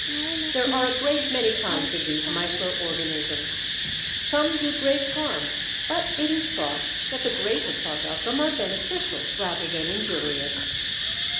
There are a great many kinds of these micro organisms. Some do great harm, but it is thought that the greater part of them are beneficial rather than injurious.